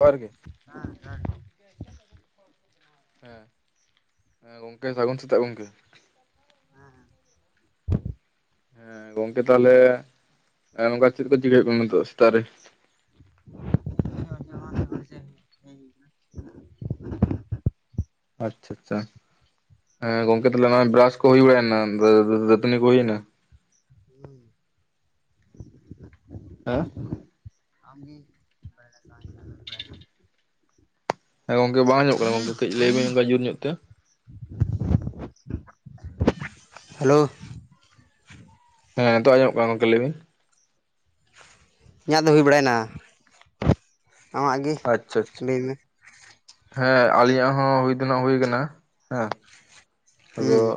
ᱡᱚᱦᱟᱨᱜᱮ ᱦᱮᱸ [unintelligible] ᱦᱮᱸ ᱦᱮᱸ ᱜᱚᱝᱠᱮ ᱥᱟᱹᱜᱩᱱ ᱥᱮᱛᱟᱜ ᱜᱚᱝᱠᱮ ᱦᱮᱸ ᱜᱚᱝᱠᱮ ᱛᱟᱦᱚᱞᱮ ᱱᱚᱝᱠᱟ ᱪᱮᱫ ᱠᱚ ᱪᱤᱠᱟᱹᱭ ᱦᱩᱭᱩᱜ ᱠᱟᱱᱟ ᱱᱤᱛᱚᱜ ᱥᱮᱛᱟᱜ ᱨᱮ? ᱡᱚᱦᱟᱨ ᱜᱮ [unintelligible] ᱦᱮᱸ [unintelligible] ᱟᱪᱪᱷᱟ ᱟᱪᱪᱷᱟ ᱦᱮᱸ ᱜᱚᱝᱠᱮ ᱛᱟᱞᱮ ᱱᱚᱭ ᱵᱨᱟᱥ ᱠᱚ ᱦᱩᱭ ᱵᱟᱲᱟᱭᱱᱟ ᱫᱟᱹ ᱫᱟᱹᱛᱱᱤ ᱠᱚ ᱦᱩᱭᱱᱟ? [unintelligible] ᱦᱮᱸ [unintelligible] ᱦᱮᱸ ᱜᱚᱝᱠᱮ ᱵᱟᱝ ᱧᱚᱜ ᱠᱟᱱᱟ ᱜᱚᱝᱠᱮ ᱠᱟᱹᱡ ᱞᱟᱹᱭᱵᱤᱱ ᱚᱝᱠᱟ ᱡᱩᱨ ᱧᱚᱜ ᱛᱮ ᱾ [unintelligible] ᱦᱮᱞᱳ ᱦᱮᱸ ᱱᱤᱛᱚᱜ ᱟᱸᱡᱚᱢᱚᱜ ᱠᱟᱱᱟ ᱜᱚᱝᱠᱮ ᱞᱟᱹᱭᱵᱤᱱ ᱾ ᱤᱧᱟᱹᱜ ᱫᱚ ᱦᱩᱭ ᱵᱟᱲᱟᱭᱱᱟ ᱟᱢᱟᱜ ᱜᱮ ᱟᱪᱪᱷᱟ ᱟᱪᱪᱷᱟ ᱞᱟᱹᱭᱢᱮ ᱾ ᱦᱮᱸ ᱟᱞᱤᱧᱟᱜ ᱦᱚᱸ ᱦᱩᱭ ᱫᱚᱱᱟᱜ ᱦᱩᱭ ᱠᱟᱱᱟ ᱦᱮᱸ ᱟᱫᱚ ᱦᱩᱸ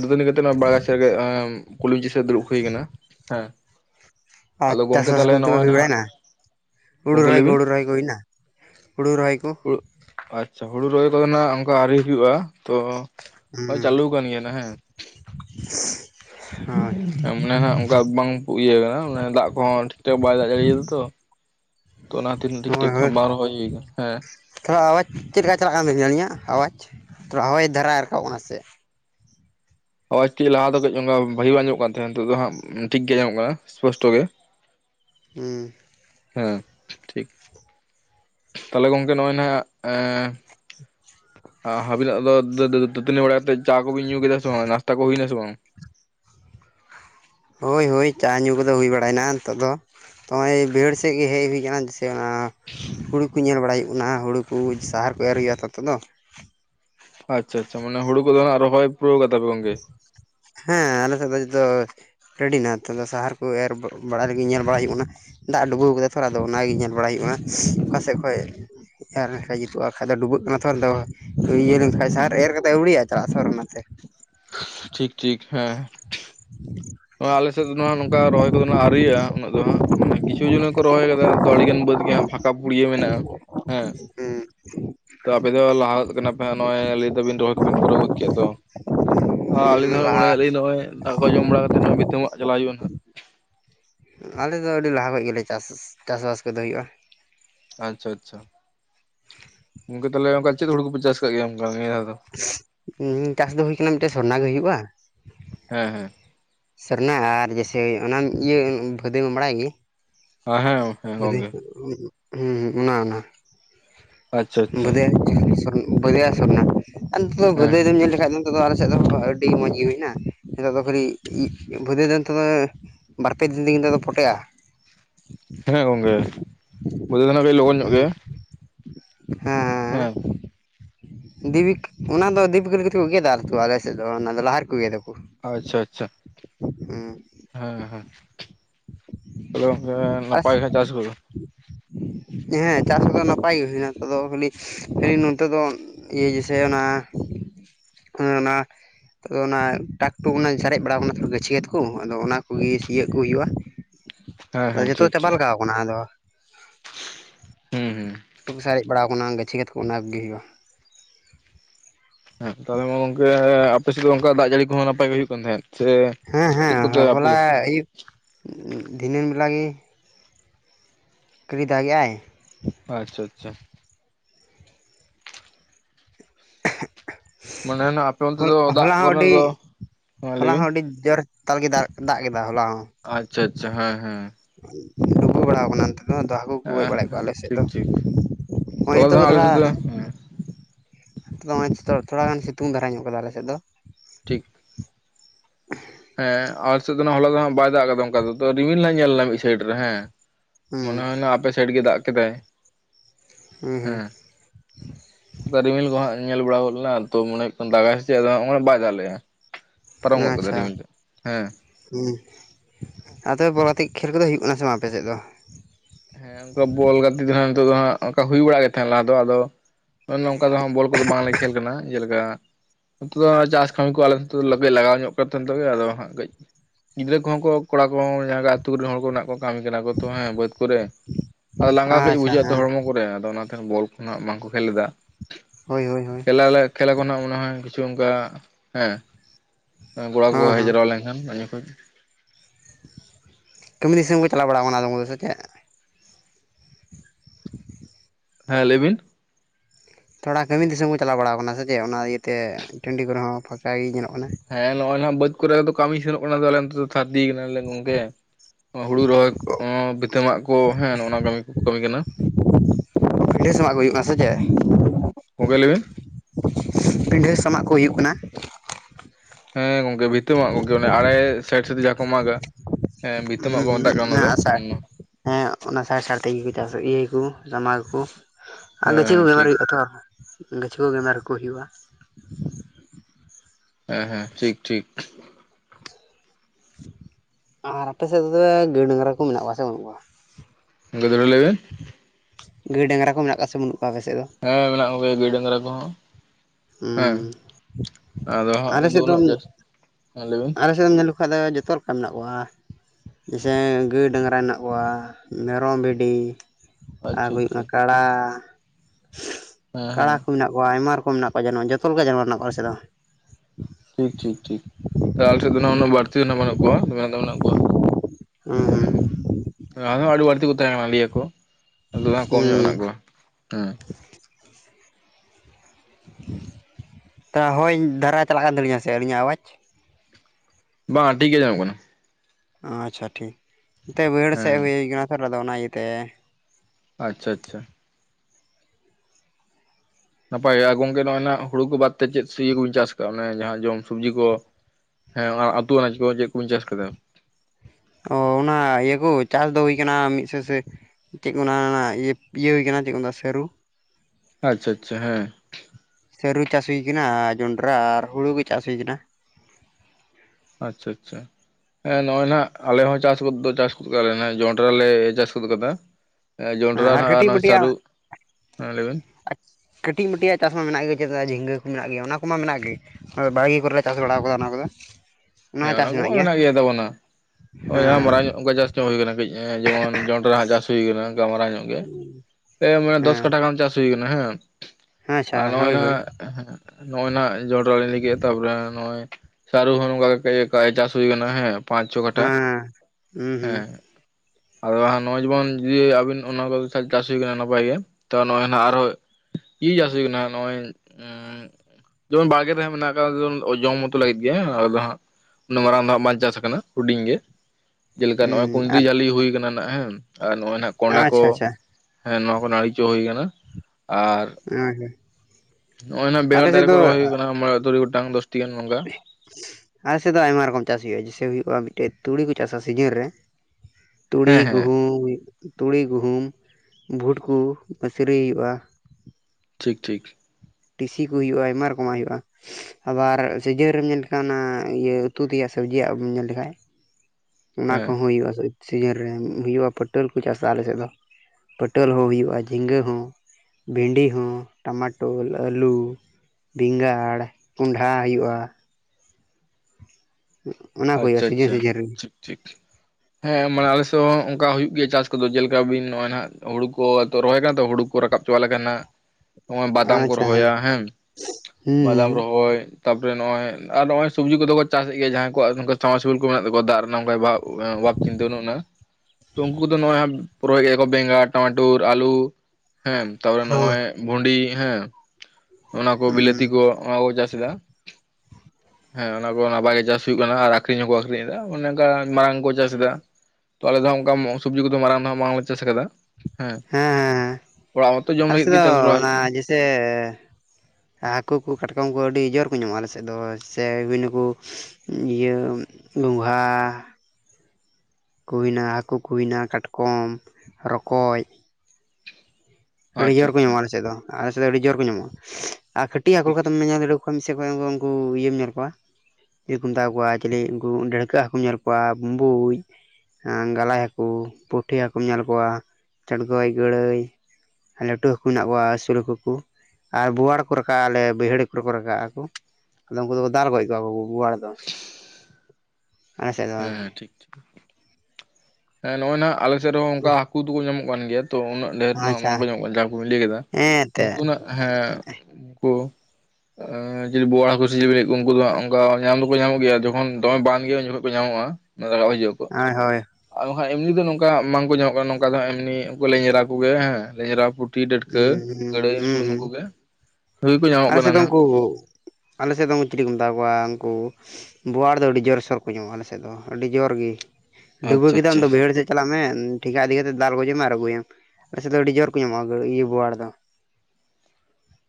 [unintelligible] ᱫᱟᱹᱛᱟᱱᱤ ᱠᱟᱛᱮᱜ ᱵᱟᱲᱮ ᱥᱮ [unintelligible] ᱠᱩᱞᱦᱤ ᱥᱮᱫ ᱫᱩᱲᱩᱵ ᱦᱩᱭ ᱠᱟᱱᱟ ᱦᱮᱸ᱾ ᱟᱨ ᱟᱫᱚ ᱜᱚᱝᱠᱮ ᱪᱟᱥ-ᱵᱟᱥ ᱛᱟᱦᱚᱞᱮ ᱠᱚ ᱛᱚ ᱱᱚᱜᱼᱚᱭ ᱦᱩᱭ ᱱᱟᱦᱟᱜ ᱵᱟᱲᱟᱭᱱᱟ ᱦᱩᱲᱩ ᱜᱚᱝᱠᱮ ᱨᱚᱦᱚᱭ ᱞᱟᱹᱭ ᱵᱤᱱ ᱦᱩᱲᱩ ᱨᱚᱦᱚᱭ? ᱦᱩᱭᱱᱟ [unintelligible] ᱦᱩᱲᱩ ᱨᱚᱦᱚᱭ ᱠᱩ? ᱟᱪᱪᱷᱟ ᱦᱩᱲᱩ ᱨᱚᱦᱚᱭ ᱠᱚᱫᱚᱱᱟᱜ ᱚᱱᱠᱟ ᱟᱨᱤ ᱦᱩᱭᱩᱜᱼᱟ ᱛᱚ ᱦᱚᱸ ᱪᱟᱹᱞᱩ ᱠᱟᱱ ᱜᱮᱭᱟ ᱱᱟᱜ ᱦᱮᱸ ᱦᱩᱸ [unintelligible] ᱢᱟᱱᱮ ᱦᱟᱸᱜ ᱚᱱᱠᱟ ᱦᱚᱭ ᱵᱟᱝ ᱤᱭᱟᱹ ᱠᱟᱱᱟ ᱢᱟᱱᱮ ᱫᱟᱜ ᱠᱚᱦᱚᱸ ᱴᱷᱤᱠ ᱴᱷᱟᱠ ᱵᱟᱭ ᱫᱟᱜ [unintelligible] ᱛᱚ ᱚᱱᱟ ᱠᱷᱟᱛᱤᱨ ᱰᱤᱠ ᱴᱟᱠ [unintelligible] ᱦᱳᱭ ᱱᱟ ᱦᱮᱸ ᱠᱷᱮᱣᱟ ᱟᱣᱟᱡ ᱪᱮᱜ ᱞᱮᱠᱟ ᱪᱟᱞᱟᱜ ᱛᱟᱞᱤᱧᱟ ᱟᱞᱤᱧᱟᱜ? ᱟᱣᱟᱡ ᱛᱷᱚᱲᱟ ᱦᱚᱭ ᱫᱷᱟᱨᱟᱭ ᱨᱟᱠᱟᱵ ᱠᱟᱱᱟ ᱥᱮ? ᱟᱣᱟᱡ ᱴᱤ ᱞᱟᱦᱟ ᱫᱚ ᱠᱟᱹᱡ ᱚᱱᱠᱟ ᱵᱷᱟᱜᱤ ᱵᱟᱝ ᱧᱟᱢᱚᱜ ᱠᱟᱱ ᱛᱟᱦᱮᱸᱫ ᱱᱤᱛᱚᱜ ᱫᱚ ᱦᱟᱸᱜ ᱴᱷᱤᱠ ᱜᱮ ᱧᱟᱢᱚᱜ ᱠᱟᱱᱟ ᱥᱯᱚᱥᱴᱚ ᱜᱮ᱾ ᱦᱩᱸ ᱦᱮᱸ ᱛᱟᱦᱞᱮ ᱜᱚᱝᱠᱮ ᱱᱚᱭ ᱦᱟᱜ ᱮᱸᱻ ᱦᱟᱵᱤᱱᱟᱜ ᱫᱚ ᱫᱟᱹ ᱫᱟᱹᱛᱱᱤ ᱵᱟᱲᱟ ᱠᱟᱛᱮ ᱪᱟ ᱠᱚᱵᱤᱱ ᱧᱩ ᱠᱮᱫᱟ ᱥᱮ ᱵᱟᱝ ᱱᱟᱥᱛᱟ ᱠᱚ ᱦᱩᱭᱱᱟ ᱥᱮ ᱵᱟᱝ? ᱦᱳᱭ ᱦᱳᱭ ᱪᱟ ᱧᱩ ᱠᱚᱫᱚ ᱦᱩᱭ ᱵᱟᱲᱟᱭᱱᱟ ᱱᱤᱛᱚᱜ ᱫᱚ᱾ ᱛᱚᱭ ᱵᱟᱹᱭᱦᱟᱹᱲ ᱥᱮᱫ ᱜᱮ ᱦᱮᱡ ᱦᱩᱭ ᱠᱟᱱᱟ [unintelligible] ᱦᱩᱲᱩ ᱠᱚ ᱧᱮᱞ ᱵᱟᱲᱟᱭ ᱦᱩᱭᱩᱜ ᱠᱟᱱᱟ ᱦᱩᱲᱩ ᱠᱚ ᱥᱟᱨ ᱠᱚ ᱮᱨ ᱦᱩᱭᱩᱜᱼᱟ ᱛᱚᱛᱚ ᱫᱚ ᱾ ᱟᱪᱪᱷᱟ ᱟᱪᱪᱷᱟ ᱦᱩᱲᱩ ᱠᱚᱫᱚᱱᱟᱜ ᱨᱚᱦᱚᱭ ᱯᱩᱨᱟᱹᱣ ᱠᱟᱫᱟ ᱯᱮ ᱜᱚᱝᱠᱮ? ᱦᱮᱸ ᱟᱞᱮ ᱥᱮᱫ ᱫᱚ ᱡᱷᱚᱛᱚ ᱨᱮᱰᱤᱱᱟ ᱛᱟᱞᱮ ᱥᱟᱦᱟᱨ ᱠᱩ ᱮᱨ ᱵᱟᱲᱟᱭ ᱞᱟᱹᱜᱤᱫ ᱧᱮᱞ ᱵᱟᱲᱟ ᱦᱩᱭᱩᱜ ᱠᱟᱱᱟ ᱾ ᱫᱟᱜ ᱰᱩᱵᱩᱣ ᱠᱟᱫᱟ ᱛᱷᱚᱲᱟ ᱟᱫᱚ ᱚᱱᱟᱜᱤᱭ ᱧᱮᱞ ᱵᱟᱲᱟᱭ ᱦᱩᱭᱩᱜ ᱠᱟᱱᱟ ᱚᱠᱟ ᱥᱮᱜ ᱠᱷᱚᱡ ᱮᱨ ᱤᱭᱟᱹ ᱞᱮᱱᱠᱷᱟᱱᱡ ᱥᱟᱨ ᱮᱨ ᱠᱟᱛᱮ ᱟᱹᱣᱲᱤᱡᱼᱟ ᱪᱟᱞᱟᱜ ᱥᱟᱨ ᱚᱱᱟᱛᱮ᱾ ᱴᱷᱤᱠ ᱴᱷᱤᱠ ᱦᱮᱸ᱾ [inaudible] ᱟᱞᱮ ᱥᱮᱫ ᱫᱚ ᱱᱟᱣᱟ ᱱᱚᱝᱠᱟ ᱨᱚᱦᱚᱭ ᱠᱚᱫᱚ ᱱᱟᱜ ᱟᱹᱣᱨᱤᱡᱟᱜᱼᱟ ᱩᱱᱟᱹᱜ ᱫᱚ ᱦᱟᱸᱜ᱾ ᱢᱟᱱᱮ ᱠᱤᱪᱷᱩ ᱡᱚᱱᱚ ᱠᱚ ᱨᱚᱦᱚᱭ ᱠᱟᱫᱟ ᱟᱹᱰᱤ ᱜᱟᱱ ᱵᱟᱹᱫᱽ ᱜᱮ ᱦᱟᱜ ᱯᱷᱟᱸᱠᱟ ᱯᱩᱲᱭᱟᱹ ᱢᱮᱱᱟᱜᱼᱟ ᱦᱮᱸ᱾ ᱦᱩᱸ᱾ ᱛᱚ ᱟᱯᱮ ᱫᱚ ᱞᱟᱦᱟᱜ ᱠᱟᱱᱟ ᱯᱮ ᱦᱟᱸᱜ ᱱᱚᱭ ᱞᱟᱹᱭ ᱫᱟᱵᱤᱱ ᱨᱚᱦᱚᱭ ᱠᱚᱵᱤᱱ ᱯᱩᱨᱟᱹᱣ ᱜᱚᱫ ᱠᱮᱫ ᱫᱚ᱾ ᱦᱩᱸ ᱟᱹᱞᱤᱧ ᱦᱚᱸᱟᱜ ᱢᱚᱱᱮ ᱞᱟᱦᱟ ᱟᱹᱞᱤᱧ ᱱᱚᱜ ᱚᱚᱭ ᱫᱟᱠᱟ ᱡᱚᱢᱵᱟᱲᱟ ᱠᱟᱛᱮᱜ ᱵᱷᱤᱛᱟᱹᱢᱟᱜ ᱪᱟᱞᱟᱜ ᱦᱩᱭᱩᱜᱼᱟ ᱱᱟᱦᱟᱜ᱾ ᱟᱞᱮᱫᱚ ᱟᱹᱰᱤ ᱞᱟᱦᱟ ᱠᱷᱚᱡ ᱜᱮᱞᱮ ᱪᱟᱥ ᱪᱟᱥᱵᱟᱥ ᱠᱚᱫᱚ ᱦᱩᱭᱩᱜᱼᱟ᱾ ᱟᱪᱪᱷᱟ ᱟᱪᱪᱷᱟ ᱜᱚᱝᱠᱮ ᱛᱟᱦᱚᱞᱮ ᱚᱱᱠᱟ ᱪᱮᱫ ᱦᱩ ᱠᱚᱯᱮ ᱪᱟᱥ ᱟᱠᱟᱫ ᱜᱮᱭᱟ ᱚᱱᱠᱟ ᱱᱤᱭᱟᱹ ᱫᱷᱟᱣ ᱫᱚ᱾ ᱦᱩᱸ ᱪᱟᱥ ᱫᱚ ᱦᱩᱭᱳ ᱠᱟᱱᱟ ᱢᱤᱫᱴᱮᱡ ᱥᱚᱨᱱᱟ ᱜᱮ ᱦᱩᱭᱩᱜᱼᱟ᱾ ᱦᱮᱸ ᱦᱮᱸ᱾ ᱥᱚᱨᱟᱱᱟ ᱟᱨ ᱡᱮᱭᱥᱮ ᱚᱱᱟ ᱤᱭᱟᱹ ᱵᱷᱟᱹᱫᱤᱢ ᱵᱟᱲᱟᱭ ᱜᱮ? ᱦᱮᱸ ᱦᱮᱸ᱾ ᱵᱩᱫᱚᱭ ᱜᱚᱝᱠᱮ ᱦᱮᱸ ᱚᱱᱟ ᱚᱱᱟ ᱟᱪᱪᱷᱟ ᱟᱪᱪᱷᱟ ᱵᱩᱫᱮ ᱥᱚᱨ ᱵᱟᱹᱫᱟᱹᱭ ᱥᱚᱨᱱᱟ ᱟᱨ ᱱᱤᱛ ᱫᱚ ᱦᱮᱸ ᱵᱟᱹᱫᱟᱹᱭ ᱫᱚᱢ ᱧᱮᱞ ᱞᱮᱠᱷᱟᱱᱡ ᱫᱚ ᱱᱚᱜ ᱫᱚ ᱟᱞᱮ ᱥᱮᱫ ᱫᱚ ᱟᱹᱰᱤ ᱢᱚᱸᱡᱽ ᱜᱮ ᱦᱩᱭ ᱮᱱᱟ ᱱᱤᱛᱚᱜ ᱫᱚ ᱠᱷᱟᱹᱞᱤ ᱵᱫᱤ ᱫ ᱛᱮᱫᱚ ᱵᱷᱟᱹᱫᱟᱹᱭ ᱫᱚ ᱵᱟᱨ ᱯᱮ ᱫᱤᱱ ᱛᱮᱜᱤᱱ ᱛᱮᱫ ᱫᱚ ᱯᱚᱴᱮᱜᱼᱟ᱾ ᱦᱮᱸ ᱜᱚᱝᱠᱮ ᱵᱟᱹᱭᱦᱟᱹᱲ ᱠᱷᱚᱱᱟᱜ ᱞᱚᱜᱚᱱ ᱧᱚᱜ ᱜᱮ, ᱦᱮᱸ ᱦᱮᱸ᱾ ᱫᱤᱵᱤᱠ ᱚᱱᱟ ᱫᱚ [unintelligible] ᱜᱮᱫᱟ ᱟᱞᱮ ᱥᱮᱫ ᱫᱚ ᱚᱱᱟ ᱫᱚ ᱞᱟᱦᱟ ᱨᱮᱠᱚ ᱜᱮᱫᱟ ᱠᱚ ᱟᱪᱪᱷᱟ ᱟᱪᱪᱷᱟ᱾ ᱦᱮᱸ ᱦᱮᱸ ᱦᱮᱸ ᱛᱟᱦᱚᱞᱮ ᱜᱚᱝᱠᱮ ᱟᱨ ᱱᱟᱯᱟᱭ ᱜᱮ ᱪᱟᱥ ᱠᱚ ᱦᱩᱭᱩᱜ-ᱟ? ᱦᱮᱸ ᱪᱟᱥ ᱠᱚᱫᱚ ᱱᱟᱯᱟᱭ ᱜᱮ ᱦᱩᱭᱱᱟ, ᱟᱫᱚ ᱠᱷᱟᱹᱞᱤ ᱠᱷᱟᱹᱞᱤ ᱱᱚᱛᱮ ᱫᱚ ᱤᱭᱟᱹ ᱡᱥᱮ ᱚᱱᱟ ᱚᱱᱟ, ᱟᱫᱚ ᱚᱱᱟ ᱴᱟᱠ ᱴᱩᱠ ᱚᱱᱟ ᱥᱟᱨᱮᱡ ᱵᱟᱲᱟ ᱟᱠᱟᱱᱟ ᱛᱷᱚᱲ ᱜᱟᱹᱪᱷᱤ ᱜᱟᱹᱮᱛ ᱠᱚ ᱟᱫᱚ ᱚᱱᱟ ᱠᱚᱜᱮ ᱥᱤᱭᱳᱜ ᱠᱚ ᱦᱩᱭᱩᱜᱼᱟ᱾ ᱦᱮᱸ ᱟᱫᱚ ᱦᱮᱸ ᱡᱚᱛᱚ ᱴᱷᱤᱠ ᱫᱚ ᱪᱟᱵᱟ ᱴᱷᱤᱠ ᱞᱮᱡᱟᱣ ᱟᱠᱟᱱᱟ ᱟᱫᱚ ᱦᱩᱸ ᱦᱩᱸ ᱞᱟᱹᱴᱩ ᱜᱮ ᱥᱟᱨᱮᱡ ᱵᱟᱲᱟᱟᱣ ᱠᱟᱱᱟ ᱜᱟᱹᱪᱷᱤ ᱜᱟᱮᱛ ᱠᱚ ᱚᱱᱟ ᱠᱚᱮ ᱦᱩᱭᱩᱜᱼᱟ᱾ ᱦᱮᱸ ᱛᱟᱦᱚᱞᱮ ᱜᱚᱝᱠᱮ ᱟᱯᱮ ᱥᱮᱫ ᱫᱚ ᱚᱱᱠᱟ ᱫᱟᱜ ᱡᱟᱹᱲᱤ ᱠᱚᱦᱚᱸ ᱱᱟᱯᱟᱭ ᱜᱮ ᱦᱩᱭᱩᱜ ᱠᱟᱱ ᱛᱟᱦᱮᱸᱫ? ᱥᱮ ᱦᱮᱸ ᱪᱮᱫ ᱦᱮᱸ ᱠᱚᱛᱮ ᱟᱯᱮ ᱦᱚᱞᱟ ᱫᱚ ᱟᱹᱭᱩᱵ ᱫᱷᱤᱱᱟᱹᱢ ᱞᱟᱝ ᱠᱤ ᱫᱟᱜᱮᱫᱼᱟᱭ ᱟᱪᱪᱷᱟ ᱟᱪᱪᱷᱟ᱾ ᱢᱟᱱᱮ ᱟᱯᱮ ᱚᱱᱛᱮ ᱫᱚ ᱫᱟᱜ ᱦᱚᱞᱟ ᱦᱚᱸ ᱠᱚᱨᱮᱱᱟᱜ ᱟᱹᱰᱤ ᱫᱚ ᱦᱮᱸ ᱞᱟᱹᱭ ᱦᱚᱞᱟ ᱵᱤᱱ ᱦᱚᱸ ᱟᱹᱰᱤ ᱡᱚᱨ ᱛᱟᱞ ᱜᱮ ᱫᱟᱜ ᱠᱮᱫᱟ ᱦᱚᱞᱟ ᱦᱚᱸ᱾ ᱟᱪᱪᱷᱟ ᱟᱪᱪᱷᱟ ᱦᱮᱸ ᱦᱮᱸ᱾ [unintelligible] ᱵᱟᱲᱟ ᱠᱟᱱᱟ ᱱᱚᱛᱮ ᱫᱚ ᱫᱟᱜ ᱦᱟᱹᱠᱩ ᱠᱚ ᱜᱚᱡ ᱦᱮᱸ ᱵᱟᱲᱟᱭᱮᱫ ᱠᱚᱣᱟ ᱟᱞᱮ ᱥᱮᱫ ᱴᱷᱤᱠ ᱫᱚ ᱴᱷᱤᱠ ᱱᱚᱜᱼᱚᱭ ᱦᱚᱞᱟ ᱫᱚ ᱱᱤᱛᱚᱜ ᱜᱮ ᱦᱟᱸᱜ ᱟᱞᱮ ᱛᱷᱚᱲᱟ ᱥᱮᱫ ᱫᱚ ᱦᱮᱸ ᱛᱷᱚᱲᱟ ᱜᱟᱱ ᱥᱤᱛᱩᱝ ᱫᱷᱟᱨᱟ ᱧᱚᱜ ᱠᱟᱫᱟ ᱟᱞᱮᱥᱮᱫ ᱫᱚ ᱴᱷᱤᱠ ᱦᱮᱸ ᱟᱨᱞ ᱥᱮᱫ ᱫᱚ ᱦᱚᱞᱟ ᱫᱚ ᱦᱟᱸᱜ ᱵᱟᱭ ᱫᱟᱜ ᱠᱟᱫᱟ ᱚᱱᱠᱟ ᱫᱚ ᱨᱤᱢᱤᱞ ᱦᱟᱸᱜ ᱧᱮᱞ ᱞᱮᱱᱟ ᱢᱤᱫ ᱥᱟᱭᱤᱰ ᱨᱮ ᱦᱮᱸ ᱦᱩᱸ ᱢᱚᱱᱮ ᱦᱩᱭᱱᱟ ᱟᱯᱮ ᱥᱟᱭᱤᱰ ᱜᱮ ᱫᱟᱜ ᱠᱮᱫᱟᱭ ᱦᱩᱸ ᱦᱮᱸ ᱫ ᱨᱤᱢᱤᱞ ᱠᱚᱦᱟᱸᱜ ᱧᱮᱞ ᱵᱟᱲᱟ ᱜᱚᱫ ᱞᱮᱱᱟ ᱛᱚ ᱢᱚᱱᱮ ᱦᱩᱭᱩᱜ ᱫᱟᱜᱟᱭ ᱦᱥᱤ ᱟᱫᱚ ᱵᱟᱭ ᱫᱟᱜᱞᱮᱼᱟ ᱯᱟᱨᱚᱢ ᱦᱩᱸ ᱜᱚᱫ ᱠᱟᱫᱟᱭ ᱟᱪᱪᱷᱟ ᱨᱤᱢᱤᱞ ᱦᱮᱸ ᱦᱩᱸ ᱟᱫᱚ ᱛᱚᱵᱮ ᱵᱚᱞᱛᱮᱜ [unintelligible] ᱠᱷᱮᱞ ᱠᱚᱫᱚ ᱦᱩᱭᱩᱜ ᱠᱟᱱᱟ ᱥᱮ ᱵᱟᱝ ᱟᱯᱮᱥᱮᱫ ᱫᱚ ᱦᱮᱸ ᱚᱱᱠᱟ ᱵᱚᱞ ᱜᱟᱛᱮᱜ ᱫᱚᱜ ᱱᱤᱛᱚᱜ ᱫᱚ ᱦᱟᱜ ᱚᱱᱠᱟ ᱦᱩᱭ ᱵᱟᱲᱟᱜ ᱜᱮ ᱛᱟᱦᱮᱸᱫ ᱞᱟᱦᱟ ᱫᱚ ᱟᱫᱚ ᱱᱚᱝᱠᱟ ᱫᱚ ᱦᱟᱸᱜ ᱵᱚᱞ ᱠᱚᱫᱚ ᱵᱟᱝᱞᱮ ᱠᱷᱮᱞ ᱠᱟᱱᱟ ᱡᱮᱞᱮᱠᱟ ᱱᱚᱛᱮ ᱫᱚ ᱪᱟᱥ ᱠᱟᱹᱢᱤ ᱠᱚ ᱟᱞᱮ ᱱᱤᱛ ᱫᱚ ᱞᱟᱜᱟᱣ ᱧᱚᱜ ᱠᱟᱱᱛ ᱫᱚ ᱟᱫᱚ ᱦᱟᱜ ᱠᱟᱹᱡ ᱜᱤᱫᱽᱨᱟᱹ ᱠᱚᱦᱚᱸ ᱠᱚᱲᱟ ᱠᱚᱦᱚ ᱟᱛᱩ ᱨᱮᱱ ᱦᱚᱲ ᱠᱚ ᱢᱮᱱᱟᱜ ᱠᱚ ᱠᱟᱹᱢᱤ ᱠᱟᱱᱟ ᱠᱚ ᱛᱚ ᱦᱮᱸ ᱵᱟᱹᱫᱽ ᱠᱚᱨᱮ ᱟᱫᱚ ᱞᱟᱸᱜᱟ ᱠᱟᱹᱡ ᱟᱪᱪᱷᱟ ᱵᱩᱡᱷᱟᱹᱜ ᱟ ᱛᱚ ᱦᱮᱸ ᱦᱚᱲᱢᱚ ᱠᱚ ᱠᱚᱨᱮ ᱟᱫᱚ ᱚᱱᱟᱛᱮ ᱵᱚᱞ ᱠᱷᱚᱱᱟᱜ ᱵᱟᱝᱠᱚ ᱠᱷᱮᱞᱮᱫᱟ ᱦᱳᱭ ᱦᱳᱭ ᱦᱳᱭ ᱠᱷᱮᱞᱟᱞᱮ ᱠᱷᱮᱞᱟ ᱠᱚᱱᱟᱜ ᱢᱚᱱᱮ ᱠᱤᱪᱷᱩ ᱚᱱᱠᱟ ᱦᱮᱸ ᱜᱚᱲᱟ ᱠᱚ ᱦᱮᱸ ᱦᱮᱡ ᱦᱮᱸ ᱡᱟᱨᱣᱟ ᱞᱮᱱᱠᱷᱟᱱ ᱦᱟᱱ ᱢᱟᱱ ᱠᱚ [unintelligible] ᱠᱟᱹᱢᱤ ᱫᱤᱥᱚᱢ ᱠᱚ ᱪᱟᱞᱟᱣ ᱵᱟᱲᱟᱜ ᱚᱱᱟ ᱟᱫᱚᱢ ᱠᱚᱫᱚ ᱥᱮ ᱪᱮᱫ ᱦᱮᱸ ᱞᱟᱹᱭᱵᱤᱱ ᱛᱷᱚᱲᱟ ᱠᱟᱹᱢᱤ ᱫᱤᱥᱚᱢ ᱠᱚ ᱪᱟᱞᱟᱣ ᱵᱟᱲᱟ ᱟᱠᱟᱱᱟ ᱥᱮ ᱪᱮᱫ ᱚᱱᱟ ᱤᱭᱟᱹᱛᱮ ᱴᱟᱺᱰᱤ ᱠᱚᱨᱮ ᱦᱚᱸ ᱯᱷᱟᱠᱟ ᱜᱮ ᱧᱮᱞᱚᱜ ᱠᱟᱱᱟ ᱦᱮᱸ ᱱᱚᱜᱼᱚᱭ ᱱᱟ ᱵᱟᱹᱫ ᱠᱚᱨᱮ ᱫᱚ ᱠᱟᱹᱢᱤ ᱥᱮᱱᱚᱜ ᱠᱟᱱᱟ ᱛᱟᱞᱮ ᱚᱱᱛᱮ ᱫᱚ ᱠᱷᱟᱫᱤ ᱠᱟᱱᱟᱞᱮ ᱜᱚᱝᱠᱮ ᱦᱩᱲᱩ ᱨᱚᱦᱚᱭ ᱛᱟᱹᱟᱢᱟᱜ ᱠᱚ ᱦᱮᱸ ᱱᱚ ᱚᱱᱟ ᱠᱟᱹᱢᱤ ᱠᱚ ᱠᱟᱹᱢᱤ ᱠᱟᱱᱟ [unintelligible] ᱥᱟᱢᱟᱜ ᱠᱚ ᱦᱩᱭᱩᱜᱼᱟ ᱥᱮ ᱪᱮᱫ ᱜᱚᱢᱠᱮ ᱞᱟᱹᱭ ᱵᱤᱱ ᱯᱤᱰᱷᱟᱹ ᱥᱟᱢᱟᱜ ᱠᱚ ᱦᱩᱭᱩᱜ ᱠᱟᱱᱟ ᱦᱮᱸ ᱜᱚᱝᱠᱮ ᱵᱤᱛᱟᱹ ᱢᱟᱜ ᱜᱚᱝᱠᱮ ᱚᱱᱮ ᱟᱲᱟᱮ ᱥᱟᱭᱤᱴ ᱥᱟᱭᱤᱴ ᱛᱮ ᱡᱟᱦᱟᱸ ᱠᱚ ᱢᱟᱜᱟ ᱦᱮᱸ ᱵᱤᱛᱟᱹᱢᱟᱜ ᱠᱚ ᱢᱮᱛᱟᱜ ᱠᱟᱱᱟ ᱚᱱᱟ ᱫᱚ ᱦᱮᱸ ᱚᱱᱟ ᱥᱟᱨ ᱥᱟᱨ ᱛᱮᱜᱮ ᱠᱚ ᱪᱟᱥᱟ ᱤᱭᱟᱹᱠᱚ ᱡᱟᱢᱟᱠᱚ ᱟᱨ ᱜᱟᱹᱪᱷᱤ ᱠᱚ ᱦᱮᱸ ᱵᱮᱵᱚᱦᱟᱨ ᱴᱷᱤᱠ ᱦᱩᱭᱩᱜᱼᱟ ᱛᱚ ᱟᱨ ᱜᱟᱹᱪᱷᱤ ᱠᱚ ᱜᱮᱢᱮᱨᱠᱩ ᱦᱩᱭᱩᱜᱼᱟ ᱦᱮᱸ ᱦᱮᱸ ᱴᱷᱤᱠ ᱴᱷᱤᱠ ᱟᱨ ᱟᱯᱮ ᱥᱮᱫ ᱫᱚ ᱜᱟᱹᱭ ᱰᱟᱝᱜᱨᱟ ᱠᱚ ᱢᱮᱱᱟᱜ ᱠᱚᱣᱟ ᱥᱮ ᱵᱟᱹᱱᱩᱜ ᱠᱚᱣᱟ ᱡᱳᱨ ᱧᱚᱜ ᱞᱟᱹᱭ ᱵᱤᱱ ᱜᱟᱹᱭ ᱰᱟᱝᱜᱨᱟ ᱠᱚ ᱢᱮᱱᱟᱜ ᱠᱟᱫ ᱥᱮ ᱵᱟᱹᱱᱩᱜ ᱠᱚᱣᱟ ᱟᱯᱮ ᱥᱮᱫ ᱫᱚ ᱦᱮᱸ ᱢᱮᱱᱟᱜ ᱠᱚᱜᱮᱭᱟ ᱜᱟᱹᱭ ᱰᱟᱝᱜᱨᱟ ᱠᱚᱦᱚᱸ ᱦᱮᱸ ᱦᱩᱸ ᱟᱫᱚ ᱦᱟᱸᱜ ᱩᱱᱟᱹᱜ ᱡᱟᱹᱛᱤ ᱞᱟᱹᱭ ᱵᱤᱱ ᱟᱯᱮ ᱥᱮᱫ ᱧᱮᱞ ᱞᱮᱠᱷᱟᱱᱡ ᱫᱚ ᱡᱚᱛᱚ ᱞᱮᱠᱟ ᱢᱮᱱᱟᱜ ᱠᱚᱣᱟ ᱥᱮ ᱜᱟᱹᱭ ᱰᱟᱝᱜᱨᱟ ᱦᱮᱱᱟᱜ ᱠᱚᱣᱟ ᱢᱮᱨᱚᱢ ᱵᱷᱤᱰᱤ ᱟᱨ ᱟᱪᱪᱷᱟ ᱦᱩᱭᱩᱜ ᱟᱪᱪᱷᱟ ᱠᱟᱱᱟ ᱠᱟᱲᱟ ᱦᱮᱸ ᱦᱮᱸ ᱠᱟᱲᱟ ᱠᱚ ᱢᱮᱱᱟᱜ ᱠᱚ ᱠᱚᱣᱟ ᱟᱭᱢᱟ ᱨᱚᱠᱚᱢ ᱢᱮᱱᱟᱜ ᱠᱚᱣᱟ ᱡᱟᱱᱚ ᱡᱚᱛᱚ ᱞᱮᱠᱟ ᱡᱟᱱᱣᱟᱨ ᱢᱮᱱᱟᱜ ᱠᱚᱣᱟ ᱥᱮᱫ ᱫᱚ ᱴᱷᱤᱠ ᱴᱷᱤᱠ ᱴᱷᱤᱠ ᱛᱚ ᱟᱞᱮᱥᱮᱫ ᱫᱚ ᱩᱱᱟᱹᱜ ᱵᱟᱹᱲᱛᱤ ᱦᱟᱜ ᱵᱟᱱᱩᱜ ᱠᱚᱣᱟ ᱢᱮᱱᱟᱜ ᱫᱚ ᱢᱮᱱᱟᱜ ᱠᱚᱣᱟ ᱦᱩᱸ ᱦᱩᱸ ᱩ ᱟᱰᱤ ᱵᱟᱲᱛᱤ ᱠᱚ ᱛᱟᱦᱮ ᱠᱟᱱᱟ ᱞᱟᱹᱭ ᱟᱠᱚ ᱟᱫᱚ ᱚᱱᱟ ᱠᱚᱢ ᱧᱚᱜ ᱦᱩᱸ ᱢᱮᱱᱟᱜ ᱠᱚᱣᱟ ᱦᱩᱸ ᱦᱳᱭ ᱫᱷᱟᱨᱟ ᱪᱟᱞᱟᱜ ᱠᱟᱱ ᱛᱟᱞᱤᱧᱟ ᱥᱮ ᱟᱹᱞᱤᱧᱟᱜ ᱟᱣᱟᱡ ᱵᱟᱝᱟ ᱴᱷᱤᱠ ᱜᱮ ᱟᱡᱚᱢᱚᱜ ᱠᱟᱱᱟ ᱟᱪᱪᱷᱟ ᱴᱷᱤᱠ ᱮᱱᱛᱮ ᱵᱟᱹᱭᱦᱟᱹᱲ ᱦᱮᱸ ᱥᱮᱡ ᱦᱮᱸ᱾ ᱦᱩᱭ ᱟᱠᱟᱱᱟ ᱛᱟᱦᱚᱞᱮ ᱟᱫᱚ ᱚᱱᱟ ᱤᱭᱟᱹᱛᱮ ᱟᱪᱪᱷᱟ ᱪᱷᱟ ᱱᱟᱯᱟᱭ ᱜᱮᱼᱟ ᱜᱚᱝᱠᱮ ᱱᱚᱜᱼᱚᱭ ᱱᱟᱜ ᱦᱩᱲᱩ ᱵᱟᱫ ᱛᱮ ᱪᱮᱫ ᱤᱭᱟᱹ ᱠᱚ ᱪᱟᱥ ᱟᱠᱟᱫᱼᱟ ᱚᱱᱮ ᱡᱟᱦᱟᱸ ᱡᱚᱢ ᱥᱚᱵᱡᱤ ᱠᱚ ᱦᱮᱸ ᱚᱱᱟ ᱟᱛᱩ ᱟᱱᱟᱡᱽ ᱠᱚ ᱪᱮᱫ ᱠᱚᱵᱤᱱ ᱪᱟᱥ ᱟᱠᱟᱫᱟ ᱚ ᱚᱱᱟ ᱤᱭᱟᱹ ᱠᱚ ᱪᱟᱥ ᱫᱚ ᱦᱩᱭ ᱟᱠᱟᱱᱟ ᱢᱤᱫᱥᱮᱥᱮ ᱪᱮᱫ ᱚᱱᱟ ᱚᱱᱟ ᱨᱮᱱᱟᱜ ᱤᱭᱟᱹ ᱦᱩᱭ ᱠᱟᱱᱟ ᱪᱮᱫ ᱢᱮ ᱥᱟᱹᱨᱩ ᱟᱪᱪᱷᱟ ᱟᱪᱪᱷᱟ ᱦᱮᱸ ᱥᱟᱹᱨᱩ ᱪᱟᱥ ᱦᱩᱭᱠᱟᱱᱟ ᱡᱚᱸᱰᱨᱟ ᱟᱨ ᱦᱩᱲᱩ ᱜᱮ ᱪᱟᱥ ᱦᱩᱭᱠᱟᱱᱟ ᱟᱪᱪᱷᱟ ᱟᱪᱪᱷᱟ ᱦᱮᱸ ᱱᱚᱜᱼᱚᱭ ᱱᱟᱜ ᱟᱞᱮ ᱦᱚᱸ ᱪᱟᱥ ᱫᱚ ᱪᱟᱥ ᱜᱚᱫ ᱠᱟᱜᱟᱞᱮ ᱡᱚᱸᱰᱨᱟ ᱞᱮ ᱪᱟᱥ ᱜᱚᱫ ᱠᱟᱫᱟ ᱡᱚᱸᱰᱨᱟ ᱱᱟᱦᱟᱜ ᱠᱟᱹᱴᱤᱡ ᱟᱨ ᱢᱟᱹᱴᱤᱡᱟᱜ ᱥᱟᱹᱨᱩ ᱦᱮᱸ ᱞᱟᱹᱭ ᱵᱮᱱ ᱠᱟᱹᱴᱤᱡ ᱢᱟᱹᱴᱤᱡᱟᱜ ᱪᱟᱥ ᱢᱟ ᱢᱮᱱᱟᱜ ᱜᱮᱭᱟ ᱪᱮᱫᱟᱜ ᱡᱷᱤᱸᱜᱟᱹ ᱠᱚ ᱢᱮᱱᱟᱜ ᱜᱮᱭᱟ ᱚᱱᱟ ᱠᱚ ᱢᱟ ᱢᱮᱱᱟᱜ ᱜᱮ ᱵᱟᱲᱜᱮ ᱠᱚᱨᱮᱞᱮ ᱪᱟᱥ ᱵᱟᱲᱟ ᱠᱟᱫᱟ ᱚᱱᱟ ᱠᱚᱫᱚ ᱦᱮᱸ ᱚᱱᱟ ᱠᱚᱢᱟ ᱢᱮᱱᱟᱜ ᱜᱮᱭᱟ ᱛᱟᱵᱚᱱᱟ ᱱᱚᱜᱚᱭ ᱡᱟᱦᱟᱸ ᱦᱮᱸ ᱢᱟᱨᱟᱝ ᱧᱚᱜ ᱠᱟᱡ ᱪᱚᱜ ᱦᱩᱭ ᱟᱠᱟᱱᱟ ᱠᱟᱹᱡ ᱡᱮᱢᱚᱱ ᱡᱚᱱᱰᱨᱟ ᱦᱟᱸᱜ ᱪᱟᱥ ᱦᱩᱭ ᱟᱠᱟᱱᱟ ᱜᱟᱞᱢᱟᱨᱟᱣ ᱧᱚᱜ ᱢᱟᱱᱮ ᱫᱚᱥ ᱠᱟᱴᱷᱟ ᱦᱮᱸ ᱜᱟᱱ ᱪᱟᱥ ᱦᱩᱭ ᱟᱠᱟᱱᱟ ᱦᱮᱸ ᱟᱪᱪᱷᱟ ᱟᱨ ᱱᱚᱜᱼᱚᱭ ᱦᱳᱭ ᱦᱳᱭ ᱱᱟᱦᱟᱜ ᱦᱮᱸ ᱱᱚᱜᱚᱭ ᱡᱚᱱᱴᱨᱟ ᱵᱮᱱ ᱞᱟᱹᱭ ᱠᱮᱫ ᱛᱟᱯᱚᱨᱮ ᱱᱚᱜᱼᱚᱭ ᱥᱟᱨᱩ ᱦᱚᱸ ᱱᱚᱝᱠᱟ ᱜᱮ ᱪᱟᱥ ᱦᱩᱭ ᱠᱟᱱᱟ ᱦᱮᱸ ᱯᱟᱸᱪ ᱪᱚ ᱠᱟᱴᱟ ᱦᱮᱸ ᱦᱩᱸ ᱦᱮᱸ ᱦᱩᱸ ᱟᱫᱚ ᱱᱚᱜᱼᱚᱭ ᱡᱮᱢᱚᱱ ᱡᱩᱫᱤ ᱟᱵᱤᱱ ᱚᱱᱟ ᱠᱚ ᱪᱟᱥ ᱦᱩᱭ ᱟᱠᱟᱱᱟ ᱱᱟᱯᱟᱭ ᱜᱮ ᱛᱚ ᱱᱚᱜᱼᱚᱭ ᱱᱟᱦᱟᱜ ᱟᱨᱦᱚᱸ ᱤᱭᱩ ᱪᱟᱥ ᱦᱩᱭᱩᱜ ᱠᱟᱱᱟ ᱱᱚᱜᱼᱚᱭ ᱡᱮᱢᱚᱱ ᱵᱟᱲᱜᱮ ᱨᱮ ᱢᱮᱱᱟᱜ ᱟᱠᱟᱫᱟ ᱡᱮᱢᱚᱱ ᱡᱚᱢ ᱢᱚᱛᱚ ᱞᱟᱹᱜᱤᱫ ᱜᱮ ᱟᱫᱚ ᱦᱟᱸᱜ ᱚᱱᱟ ᱢᱟᱨᱟᱝ ᱫᱚ ᱦᱟᱸᱜ ᱵᱟᱝ ᱪᱟᱥ ᱟᱠᱟᱱᱟ ᱦᱩᱰᱤᱧ ᱜᱮ ᱡᱮᱞᱮᱠᱟ ᱱᱚᱜᱼᱚᱭ ᱠᱩᱸᱫᱽᱨᱤ ᱦᱩᱸ ᱡᱷᱟᱹᱞᱤ ᱦᱩᱭ ᱟᱠᱟᱱᱟ ᱦᱮᱸ ᱟᱨ ᱱᱚᱜᱚᱭ ᱱᱟᱱᱟᱜ ᱠᱚᱸᱰᱟ ᱠᱚ ᱟᱪᱪᱷᱟ ᱟᱪᱪᱷᱟ ᱦᱮᱸ ᱱᱚᱣᱟ ᱠᱚ ᱱᱟᱲᱤ ᱪᱚ ᱦᱩᱭ ᱟᱠᱟᱱᱟ ᱟᱨ ᱦᱮᱸ ᱦᱮᱸ ᱦᱚᱸᱜᱼᱚᱭ ᱱᱟ ᱵᱮᱜᱟᱨ ᱟᱞᱮ ᱫᱟᱨᱮ ᱥᱮᱫ ᱠᱚ ᱫᱚ ᱨᱚᱦᱚᱭ ᱦᱩᱭᱩᱜ ᱠᱟᱱᱟ ᱢᱚᱬᱮ ᱛᱩᱨᱩᱭ ᱜᱚᱴᱟᱝ ᱫᱚᱥᱴᱤ ᱜᱟᱱ ᱱᱚᱝᱠᱟ ᱟᱨ ᱥᱮᱫ ᱫᱚ ᱟᱭᱢᱟ ᱨᱚᱠᱚᱢ ᱪᱟᱥ ᱦᱩᱭᱩᱜᱼᱟ ᱡᱮᱭᱮ ᱦᱩᱭᱩᱜᱼᱟ ᱢᱤᱫᱴᱮᱡ ᱛᱩᱲᱤ ᱠᱚ ᱪᱟᱥᱟ ᱥᱤᱡᱤᱱ ᱨᱮ ᱻ [unintelligible] ᱛᱩᱲᱤ ᱜᱩᱦᱩᱢ ᱛᱩᱲᱤ ᱜᱩᱦᱩᱢ ᱵᱷᱩᱴᱠᱚ ᱢᱤᱥᱨᱤ ᱦᱩᱭᱩᱜᱼᱟ ᱴᱷᱤᱠ ᱴᱷᱤᱠ ᱴᱤᱥᱤ ᱠᱚ ᱦᱩᱭᱩᱜᱼᱟ ᱟᱭᱢᱟ ᱨᱚᱠᱚᱢᱟᱜ ᱦᱩᱭᱩᱜᱼᱟ ᱟᱵᱟᱨ ᱥᱤᱡᱤᱱ ᱨᱮᱢ ᱧᱮᱞ ᱞᱮᱠᱷᱟᱱ ᱚᱱᱟ ᱤᱭᱟ. ᱩᱛᱩ ᱛᱮᱭᱟᱜ ᱥᱚᱵᱽᱡᱤᱭᱟᱜ ᱧᱮᱞ ᱞᱮᱠᱟᱱ ᱚᱱᱟ ᱦᱮᱸ ᱠᱚᱦᱚᱸ ᱦᱩᱭᱩᱜᱼᱟ ᱥᱤᱡᱤᱱ ᱨᱮ ᱦᱩᱭᱩᱜᱼᱟ ᱯᱟᱹᱴᱟᱹᱞ ᱠᱚ ᱪᱟᱥᱟ ᱟᱞᱮ ᱥᱮᱫ ᱫᱚ᱾ ᱯᱟᱹᱴᱟᱹᱞ ᱦᱚᱸ ᱦᱩᱭᱩᱜᱼᱟ ᱡᱷᱤᱸᱜᱟᱹ ᱦᱚᱸ᱾ ᱵᱷᱤᱰᱤ ᱦᱚᱸ ᱴᱟᱢᱟᱴᱳᱞ ᱟᱹᱞᱩ ᱵᱮᱸᱜᱟᱲ ᱠᱚᱸᱰᱷᱟ ᱦᱩᱭᱩᱜᱼᱟ᱾ ᱚᱱᱟ ᱠᱚ ᱦᱩᱭᱩᱜᱼᱟ ᱟᱪᱪᱷᱟ ᱥᱤᱡᱤᱱ ᱟᱪᱪᱷᱟ ᱥᱤᱡᱤᱱ ᱨᱮ᱾ ᱴᱷᱤᱠ ᱴᱷᱤᱠ᱾ ᱦᱮᱸ ᱢᱟᱱᱮ ᱟᱞᱮᱥᱮᱫ ᱦᱚᱸ ᱚᱱᱠᱟ ᱦᱩᱭᱩᱜ ᱜᱮᱭᱟ ᱪᱟᱥ ᱠᱚᱫᱚ ᱡᱮᱞᱮᱠᱟ ᱵᱵᱤᱱ ᱱᱚᱜᱼᱚᱭ ᱦᱟᱜ ᱦᱩᱲᱩ ᱠᱚ ᱨᱚᱦᱚᱭ ᱠᱟᱱᱟ ᱛᱚ ᱦᱩᱲᱩ ᱠᱚ ᱨᱟᱠᱟᱵ ᱡᱚᱣᱟᱜ ᱞᱮᱠᱟᱱᱟᱜ ᱱᱚᱜᱼᱚᱭ ᱵᱟᱫᱟᱢ ᱠᱚ ᱨᱚᱦᱚᱭᱟ ᱦᱮᱸ ᱵᱟᱫᱟᱢ ᱨᱚᱦᱚᱭ ᱛᱟᱯᱚᱨᱮ ᱱᱚᱜᱼᱚᱭ ᱟᱨ ᱱᱚᱜᱼᱚᱭ ᱥᱚᱵᱽᱡᱤ ᱠᱚᱫᱚ ᱠᱚ ᱪᱟᱥᱮᱫ ᱜᱮᱭᱟ ᱡᱟᱦᱟᱸᱭ ᱠᱚᱣᱟᱜ ᱥᱟᱢᱢᱟᱨᱥᱤᱵᱚᱞ ᱠᱚ ᱢᱮᱱᱟᱜ ᱛᱟᱠᱚᱣᱟ ᱫᱟᱜ ᱨᱮᱱᱟᱜ ᱱᱚᱝᱠᱟ ᱚᱵᱷᱟᱵᱽ ᱪᱤᱱᱛᱟᱹ ᱵᱟᱹᱱᱩᱜ ᱟᱱᱟ ᱛᱳ ᱩᱱᱠᱩ ᱠᱚᱫᱚ ᱱᱚᱣᱟ ᱯᱚᱨᱚᱭ ᱮᱫᱟ ᱠᱚ ᱵᱮᱸᱜᱟᱲ, ᱴᱟᱢᱟᱴᱳᱨ, ᱟᱞᱩ ᱦᱮᱸ ᱛᱟᱯᱚᱨᱮ ᱦᱩᱸ ᱱᱚᱜᱼᱚᱭ ᱵᱷᱩᱸᱰᱤ ᱦᱮᱸ ᱚᱱᱟ ᱠᱚ ᱦᱩᱸ ᱦᱮᱸ ᱵᱤᱞᱟᱹᱛᱤ ᱠᱚ ᱚᱱᱟ ᱠᱚ ᱪᱟᱥ ᱮᱫᱟ ᱦᱮᱸ ᱚᱱᱟ ᱠᱚ ᱱᱟᱯᱟᱭ ᱜᱮ ᱪᱟᱥ ᱦᱩᱭᱩᱜ ᱠᱟᱱᱟ ᱟᱨ ᱟᱠᱷᱨᱤᱧ ᱦᱚᱸᱠᱚ ᱟᱠᱷᱨᱤᱧ ᱮᱫᱟ ᱚᱱᱮ ᱚᱱᱠᱟ ᱢᱟᱨᱟᱝ ᱠᱚ ᱪᱟᱥ ᱮᱫᱟ ᱛᱚ ᱟᱞᱮ ᱫᱚ ᱚᱱᱠᱟ ᱥᱚᱵᱽᱡᱤ ᱠᱚᱫᱚ ᱢᱟᱨᱟᱝ ᱫᱚ ᱵᱟᱝᱞᱮ ᱪᱟᱥ ᱟᱠᱟᱫᱟ᱾ ᱦᱮᱸ ᱦᱮᱸ ᱚᱲᱟᱜ ᱢᱚᱛᱚ ᱡᱚᱢ ᱞᱟᱹᱜᱤᱫ ᱜᱮ ᱪᱟᱥ ᱵᱟᱲᱟ ᱦᱩᱭᱩᱜ ᱠᱟᱱᱟ᱾ ᱛᱮᱻᱮᱻᱮ ᱦᱟᱹᱠᱩ ᱠᱚ ᱠᱟᱴᱠᱚᱢ ᱠᱚ ᱟᱹᱰᱤ ᱡᱳᱨ ᱠᱚ ᱧᱟᱢᱚᱜᱼᱟ ᱟᱞᱮ ᱥᱮᱫ ᱫᱚ ᱥᱮ ᱟᱹᱵᱤᱱ ᱱᱩᱠᱩ ᱤᱭᱟᱹ ᱜᱚᱝᱜᱷᱟ᱾ ᱦᱩᱭᱱᱟ ᱦᱟᱹᱠᱩ ᱠᱚ ᱦᱩᱭᱱᱟ ᱠᱟᱴᱠᱚᱢ ᱨᱚᱠᱚᱡ ᱟᱹᱰᱤ ᱟᱪᱪᱷᱟ ᱡᱳᱨ ᱠᱚ ᱟᱪᱪᱷᱟ ᱧᱟᱢᱼᱟ ᱟᱞᱮᱥᱮᱫ ᱫᱚ ᱟᱞᱮᱥᱮᱫ ᱫᱚ ᱟᱹᱰᱤ ᱡᱳᱨ ᱠᱚ ᱧᱟᱢᱚᱜᱼᱟ ᱟᱨ ᱠᱟᱹᱴᱤᱡ [unintelligible] ᱴᱷᱤᱠ ᱚᱠᱚᱭ ᱢᱮᱥᱮ ᱚᱠᱚᱭ ᱩᱱᱠᱩ ᱤᱭᱟᱹᱢ ᱧᱮᱞ ᱠᱚᱣᱟ [unintelligible] ᱠᱚ ᱢᱮᱛᱟᱣᱟ ᱠᱚᱣᱟ ᱪᱤᱞᱤ ᱩᱱᱠᱩ ᱰᱟᱹᱲᱠᱟᱹ ᱦᱟᱹᱠᱩ ᱧᱮᱞ ᱠᱚᱣᱟ ᱵᱩᱢᱵᱩᱡ᱾ ᱜᱟᱞᱟᱭ ᱦᱟᱹᱠᱩ ᱯᱩᱴᱷᱤ ᱦᱟᱹᱠᱩᱢ ᱧᱮᱞ ᱠᱚᱣᱟ ᱪᱚᱰᱜᱚᱡ ᱜᱟᱹᱲᱟᱹᱭ᱾ ᱞᱟᱹᱴᱩ ᱦᱟᱹᱠᱩ ᱱᱟᱜᱷ ᱠᱚᱣᱟ ᱟᱹᱥᱩᱞ ᱦᱟᱹᱠᱩ ᱠᱚ ᱟᱨ ᱵᱳᱣᱟᱲ ᱠᱚ ᱨᱟᱠᱟᱵᱼᱟ ᱟᱞᱮ ᱵᱟᱹᱭᱦᱟᱹᱲᱤ ᱠᱚᱨᱮ ᱠᱚ ᱨᱟᱠᱟᱵ ᱟᱠᱚ ᱟᱫᱚ ᱩᱱᱠᱩ ᱫᱚᱠᱚ ᱫᱟᱞ ᱜᱚᱡ ᱠᱚᱣᱟ ᱵᱚᱣᱟᱲ ᱫᱚ ᱟᱞᱮ ᱥᱮᱫ ᱫᱚ ᱦᱮᱸ ᱦᱮᱸ ᱴᱷᱤᱠ ᱴᱷᱤᱠ᱾ ᱦᱮᱸ ᱱᱚᱜᱼᱚᱭ ᱱᱟᱜ ᱟᱞᱮᱥᱮᱫ ᱨᱮᱦᱚᱸ ᱚᱱᱠᱟ ᱦᱟᱹᱠᱩ ᱫᱚᱠᱚ ᱧᱟᱢᱚᱜ ᱠᱟᱱ ᱜᱮᱭᱟ ᱛᱚ ᱩᱱᱟᱹᱜ ᱰᱷᱮᱨ ᱫᱚ ᱱᱟᱜᱷ ᱟᱪᱪᱷᱟ ᱵᱟᱝ ᱠᱚ ᱧᱟᱢᱚᱜ ᱠᱟᱱᱟ ᱡᱟᱦᱟᱸ ᱠᱚᱢ ᱞᱟᱹᱭ ᱠᱮᱫᱟ ᱦᱮᱸ ᱱᱩᱠᱩ ᱮᱱᱛᱮᱫ ᱱᱟᱜᱷ ᱦᱮᱸ ᱩᱱᱠᱩ ᱮᱸ ᱡᱤ ᱵᱳᱣᱟᱲ ᱦᱟᱹᱠᱩ ᱪᱤᱞᱤ ᱵᱮᱱ ᱞᱟᱹᱭ ᱠᱮᱫ ᱠᱚᱣᱟ ᱩᱱᱠᱩ ᱫᱚ ᱦᱟᱸᱜ ᱚᱱᱠᱟ ᱧᱟᱢ ᱫᱚᱠᱚ ᱧᱟᱢᱚᱜ ᱜᱮᱭᱟ, ᱡᱚᱠᱷᱚᱱ ᱫᱚᱢᱮ ᱵᱟᱫᱽ ᱜᱮᱭᱟ ᱩᱱ ᱡᱚᱠᱷᱚᱱ ᱠᱚ ᱧᱟᱢᱚᱜᱼᱟ᱾ [unintelligible] ᱦᱳᱭ ᱦᱳᱭ ᱮᱢᱱᱤ ᱫᱚ ᱱᱚᱝᱠᱟ ᱵᱟᱝ ᱠᱚ ᱧᱟᱢᱚᱜ ᱠᱟᱱᱟ ᱱᱚᱝᱠᱟ ᱫᱚ ᱮᱢᱱᱤ ᱩᱱᱠᱩ ᱞᱮᱸᱡᱽᱨᱟ ᱠᱚᱜᱮ ᱦᱮᱸ [unintelligible] ᱯᱩᱴᱤ ᱰᱟᱹᱴᱠᱟᱹ ᱦᱩᱸ ᱦᱩᱸ ᱜᱟᱹᱲᱟᱹᱭ ᱩᱱᱠᱩ ᱦᱩᱸ ᱦᱩᱸ ᱱᱩᱠᱩ ᱜᱮ ᱦᱩᱭ ᱠᱚ ᱧᱟᱢᱚᱜ ᱠᱟᱱᱟ ᱱᱟᱜᱷ [unintelligible] ᱟᱞᱮ ᱥᱮᱫ ᱫᱚ [inaudible] ᱢᱮᱛᱟ ᱠᱚᱣᱟ ᱩᱱᱠᱩ ᱵᱳᱣᱟᱲ ᱫᱚ ᱟᱹᱰᱤ ᱡᱳᱨᱥᱳᱨ ᱠᱚ ᱧᱟᱢᱚᱜᱼᱟ ᱟᱞᱮ ᱥᱮᱫ ᱫᱚ ᱟᱹᱰᱤ ᱡᱳᱨ ᱜᱮ᱾ ᱰᱩᱵᱟᱹ ᱟᱪᱪᱷᱟ ᱠᱮᱫᱟᱢ ᱟᱢ ᱟᱪᱪᱷᱟ ᱫᱚ ᱵᱟᱹᱭᱦᱟᱹᱲ ᱥᱮᱫ ᱪᱟᱞᱟᱜ ᱢᱮ ᱴᱷᱮᱸᱜᱟ ᱤᱫᱤ ᱠᱟᱛᱮ ᱫᱟᱞ ᱜᱚᱡᱮ ᱢᱮ ᱟᱨ ᱟᱹᱜᱩᱭᱮᱢ‌᱾ᱟᱞᱮᱥᱮᱫ ᱫᱚ ᱟᱹᱰᱤ ᱡᱳᱨ ᱠᱚ ᱧᱟᱢᱚᱜ-ᱟ᱾ ᱤᱭᱟᱹ ᱵᱳᱣᱟᱲ ᱫᱚ᱾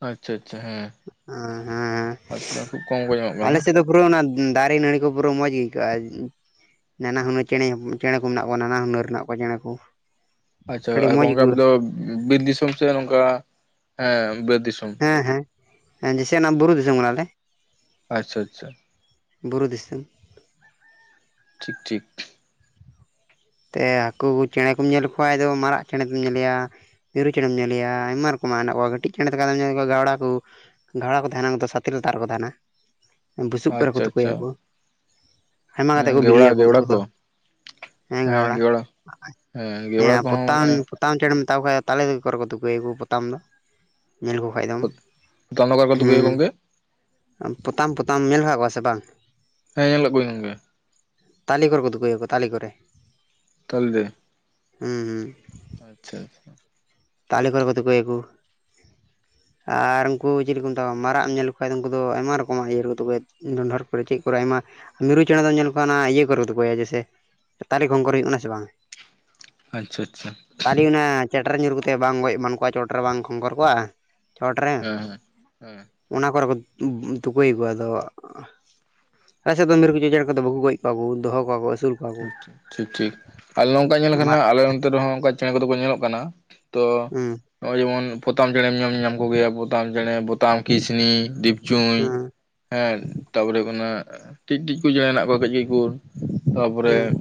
ᱟᱪᱪᱷᱟ ᱟᱪᱪᱷᱟ ᱦᱮᱸ ᱦᱮᱸ ᱦᱮᱸ ᱟᱪᱪᱷᱟ ᱠᱷᱩᱵ ᱠᱚᱢ ᱠᱚ ᱧᱟᱢᱚᱜ ᱟᱞᱮ ᱠᱟᱱᱟ ᱥᱮᱫ ᱫᱚ ᱯᱩᱨᱟᱹ ᱚᱱᱟ ᱫᱟᱨᱮ ᱱᱟᱹᱲᱤ ᱠᱚ ᱯᱩᱨᱟᱹ ᱢᱚᱸᱡᱽ ᱜᱮ ᱟᱹᱭᱠᱟᱹᱜᱼᱟ᱾ ᱱᱟᱱᱟ ᱦᱩᱱᱟᱹᱨ ᱪᱮᱬᱮ ᱪᱮᱬᱮ ᱠᱚ ᱢᱮᱱᱟᱜ ᱠᱚᱣᱟ ᱱᱟᱱᱟ ᱦᱩᱱᱟᱹᱨ ᱢᱮᱱᱟᱜ ᱠᱚᱣᱟ ᱪᱮᱬᱮ ᱠᱚ᱾ ᱟᱪᱪᱷᱟ ᱟᱹᱰᱤ ᱟᱨ ᱢᱚᱡᱽ ᱠᱚᱝᱠᱮ ᱟᱯᱮ ᱟᱹᱭᱠᱟᱹᱜᱼᱟ ᱫᱚ ᱵᱤᱨ ᱫᱤᱥᱚᱢ ᱥᱮ ᱱᱚᱝᱠᱟ ᱵᱟᱹᱫ ᱫᱤᱥᱚᱢ? ᱦᱮᱸ ᱦᱮᱸ ᱡᱮᱥᱮ ᱚᱱᱟ ᱵᱩᱨᱩ ᱫᱤᱥᱚᱢ ᱠᱟᱱᱟᱞᱮ᱾ ᱟᱪᱪᱷᱟ ᱟᱪᱪᱷᱟ᱾ ᱵᱩᱨᱩ ᱫᱤᱥᱚᱢ᱾ ᱴᱷᱤᱠ ᱴᱷᱤᱠ᱾ ᱛᱮ ᱦᱟᱹᱠᱩ ᱪᱮᱬᱮ ᱠᱚᱢ ᱧᱮᱞ ᱠᱷᱟᱡ ᱫᱚ ᱢᱟᱨᱟᱜ ᱪᱮᱬᱮ ᱧᱮᱞᱮᱭᱟ᱾ ᱢᱤᱨᱩ ᱪᱮᱬᱮᱢ ᱧᱮᱞᱮᱭᱟ ᱟᱭᱢᱟ ᱨᱚᱠᱚᱢ ᱟᱜ ᱦᱮᱱᱟᱜ ᱠᱚᱣᱟ ᱠᱟᱹᱴᱤᱡ ᱪᱮᱬᱮ ᱞᱮᱫᱚ ᱠᱚᱢ ᱧᱮᱞ ᱠᱚᱣᱟ ᱜᱟᱣᱲᱟ ᱠᱚ ᱜᱷᱟᱣᱲᱟ ᱠᱚ ᱛᱟᱦᱮᱱᱟ ᱱᱚᱛᱮ ᱫᱚ ᱥᱟᱛᱮ ᱞᱟᱛᱟᱨ ᱨᱮᱠᱚ ᱛᱟᱦᱮᱱᱟ, ᱵᱩᱥᱩᱵ ᱠᱚᱨᱮ ᱠᱚ ᱟᱪᱪᱷᱟ ᱟᱪᱪᱷᱟ ᱛᱩᱠᱟᱹᱭᱟᱠᱚ ᱟᱭᱢᱟ ᱠᱟᱛᱮ ᱦᱮᱸ ᱠᱚ ᱜᱮᱣᱲᱟ ᱵᱤᱞᱤᱭᱟᱠᱚ ᱜᱮᱣᱲᱟ ᱩᱱᱠᱩ ᱫᱚ ᱠᱚ ᱦᱮᱸ ᱜᱷᱣᱲᱟ, ᱜᱮᱣᱲᱟ ᱦᱮᱸ ᱠᱚᱦᱚᱸ ᱯᱚᱛᱟᱢ ᱢᱟᱱᱮ ᱯᱚᱛᱟᱢ ᱪᱮᱱᱮᱢ ᱢᱮᱛᱟᱠᱚ ᱠᱷᱟᱡ ᱛᱟᱞᱮ ᱫᱟᱨᱮ ᱠᱚᱨᱮ ᱠᱚ ᱛᱩᱠᱟᱹᱭᱟᱠᱚ ᱯᱚᱛᱟᱢ ᱫᱚ ᱧᱮᱞ ᱠᱚ ᱠᱷᱟᱱ ᱫᱚᱢ ᱯᱚᱛᱟᱢ ᱫᱚᱠᱟᱱ ᱨᱮᱠᱚ ᱛᱩᱠᱟᱹᱭᱟ ᱦᱮᱸ ᱜᱚᱝᱠᱮ ᱯᱚᱛᱟᱢ ᱯᱚᱛᱟᱢ ᱧᱮᱞ ᱠᱟᱜ ᱠᱚᱣᱟ ᱥᱮ ᱵᱟᱝ? ᱦᱮᱸ ᱧᱮᱞᱠᱟᱜ ᱠᱚᱶᱟᱹᱧ ᱜᱚᱝᱠᱮ ᱛᱟᱞᱤ ᱠᱚᱨᱮ ᱠᱚ ᱛᱩᱠᱟᱹᱣᱟᱠ ᱛᱟᱞᱤ ᱠᱚ ᱨᱮ ᱛᱟᱞᱤ ᱦᱩᱸ ᱦᱩᱸ ᱟᱪᱪᱷᱟ ᱟᱪᱪᱷᱟ ᱛᱟᱞᱤ ᱠᱚᱨᱮ ᱠᱚ ᱛᱩᱠᱟᱹ ᱣᱟᱠᱚ ᱟᱨ ᱩᱱᱠᱩ ᱪᱮᱞᱮ ᱠᱚ ᱢᱮᱛᱟᱠᱚᱣᱟ ᱢᱟᱨᱟᱜ ᱮᱢ ᱧᱮᱞ ᱠᱚᱠᱷᱟᱱᱡ ᱫᱚ ᱩᱱᱠᱩ ᱫᱚ ᱟᱭᱢᱟ ᱨᱚᱠᱚᱢᱟᱜ ᱤᱭᱟᱹ ᱠᱚ ᱛᱩᱠᱟᱹ ᱰᱚᱸᱰᱷᱚᱨ ᱠᱚᱨᱮ ᱪᱮᱫ ᱠᱚᱨᱮ ᱟᱭᱢᱟ ᱢᱤᱨᱩ ᱪᱮᱬᱮ ᱫᱚᱢ ᱧᱮᱞ ᱠᱚᱣᱟ ᱚᱱᱟ ᱤᱭᱟᱹ ᱠᱚᱨᱮ ᱛᱩᱠᱟᱹᱭᱟ ᱡᱮᱥᱮ ᱛᱟᱨᱤ ᱜᱚᱝᱜᱚᱨ ᱦᱩᱭᱩᱜᱼᱟ ᱥᱮ ᱵᱟᱝ ᱟᱪᱪᱷᱟ ᱟᱪᱪᱷᱟ ᱛᱟᱞᱤ ᱚᱱᱟ ᱪᱮᱴᱮᱨ ᱧᱩᱨ ᱠᱟᱛᱮ ᱵᱟᱝ ᱜᱚᱡ ᱮᱢᱟᱱ ᱠᱚᱜᱟ ᱪᱚᱴᱨᱮ ᱵᱟᱝ ᱠᱷᱚᱝᱜᱚᱨ ᱠᱚᱣᱟ ᱪᱚᱴᱨᱮ ᱦᱮᱸ ᱦᱮᱸ ᱦᱮᱸ ᱚᱱᱟ ᱠᱚᱨᱮ ᱠᱚ ᱛᱩᱠᱟᱹᱭᱟᱠᱚᱣᱟ ᱟᱫᱚ ᱟᱞᱮᱥᱮᱫ ᱫᱚ ᱢᱤᱨᱩ ᱪᱮ ᱪᱮᱬᱮ ᱠᱚᱫᱚ ᱵᱟᱠᱚ ᱜᱚᱡ ᱠᱚᱣᱟ ᱠᱚ ᱫᱚᱦᱚ ᱠᱚᱣᱟ ᱟᱹᱥᱩᱞ ᱠᱚᱣᱟ ᱠᱚ ᱴᱷᱷ ᱴᱷᱤᱠ ᱴᱷᱤᱠ᱾ᱱᱚᱝᱠᱟ ᱧᱮᱞ ᱠᱷᱟᱱ ᱢᱟᱜ ᱟᱞᱮ ᱱᱚᱱᱛᱮ ᱨᱮᱦᱚᱸ ᱚᱱᱠᱟ ᱪᱮᱬᱮ ᱠᱚᱫᱚ ᱠᱚ ᱧᱮᱞᱚᱜ ᱠᱟᱱᱟ᱾ ᱛᱚ ᱦᱩᱸ ᱱᱚᱜ-ᱚᱭ ᱡᱮᱢᱚᱱ ᱯᱚᱛᱟᱢ ᱪᱮᱬᱮᱢ ᱧᱚᱢ ᱧᱟᱢ ᱠᱚᱜᱮᱭᱟ ᱯᱚᱛᱟᱢ ᱪᱮᱬᱮ ᱯᱚᱛᱟᱢ ᱠᱤᱥᱱᱤ ᱫᱤᱯ ᱪᱩᱭ ᱦᱩᱸ ᱦᱮᱸ ᱛᱟᱯᱚᱨᱮ ᱦᱩᱭᱩᱜ ᱠᱟᱱᱟ ᱴᱤᱡᱴᱤᱡ ᱠᱚ ᱪᱮᱬᱮ ᱦᱮᱱᱟᱜ ᱠᱚᱣᱟ ᱠᱟᱹᱡ ᱠᱟᱹᱡ ᱠᱚ ᱦᱩᱸ ᱛᱟᱯᱚᱨᱮ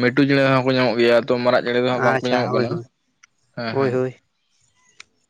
ᱢᱮᱴᱩ ᱪᱮᱬᱮ ᱫᱚ ᱦᱚᱸᱠᱚ ᱧᱟᱢᱚᱜ ᱜᱮᱭᱟ ᱛᱚ᱾ ᱢᱟᱨᱟᱜ ᱪᱮᱬᱮ ᱫᱚ ᱦᱟᱸᱜ ᱵᱟᱝᱠᱚ ᱟᱪᱪᱷᱟ ᱧᱟᱢᱚᱜ ᱦᱳᱭ ᱠᱟᱱᱟ ᱦᱳᱭ ᱦᱮᱸ ᱦᱳᱭ ᱦᱮᱸ ᱦᱳᱭ